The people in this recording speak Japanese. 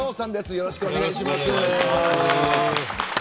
よろしくお願いします。